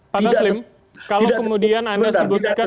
pak taslim kalau kemudian anda sebutkan